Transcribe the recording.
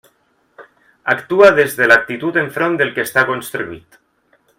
Actua des de l'actitud enfront del que està construït.